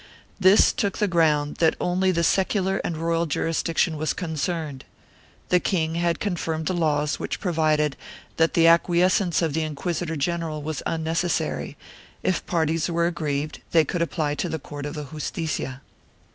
This took the ground that only the secular and royal jurisdiction was concerned; the king had confirmed the laws which provided that the acquiescence of the inquisitor general was unnecessary; if parties were aggrieved they could apply to the court of the Justicia.